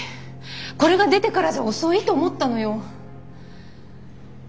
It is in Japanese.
これが出てからじゃ遅いと思ったのよ。